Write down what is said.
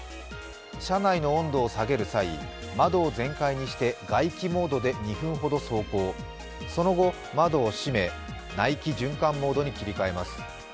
車内の温度を下げる際、窓を全開にして外気モードで２分ほど走行、その後、窓を閉め内気循環モードに切り替えます。